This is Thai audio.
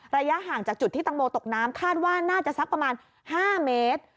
ระยะห่างจากจุดที่ตังโมตกน้ำคาดว่าน่าจะสักประมาณ๕เมตร